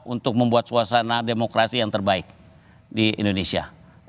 untuk membuat suasana demokrasi yang terbaik di indonesia